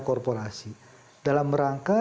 korporasi dalam rangka